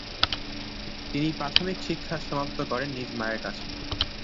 তিনি প্রাথমিক শিক্ষা সমাপ্ত করেন নিজ মায়ের কাছে।